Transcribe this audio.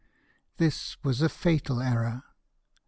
This was a fatal error.